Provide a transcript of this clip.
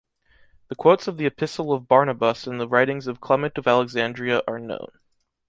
The quotes of the Epistle of Barnabas in the writings of Clement of Alexandria are known.